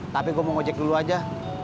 tapi gue mau ojek dulu aja